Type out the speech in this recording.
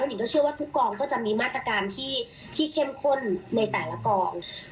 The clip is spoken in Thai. หญิงก็เชื่อว่าทุกกองก็จะมีมาตรการที่เข้มข้นในแต่ละกอง